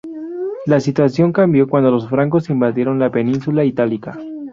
La situación cambió cuando los francos invadieron la península itálica.